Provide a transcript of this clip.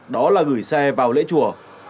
đó là gửi xe vào lễ chùa